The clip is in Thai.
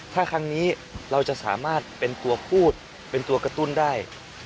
ถ้าครั้งนี้เราจะสามารถเป็นตัวพูดเป็นตัวกระตุ้นได้